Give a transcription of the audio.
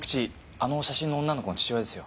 あの写真の女の子の父親ですよ。